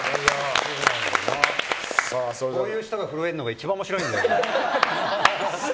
こういう人が震えるのが一番面白いんだよな。